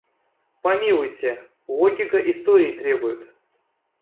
Помилуйте - логика истории требует...